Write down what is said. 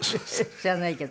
知らないけど。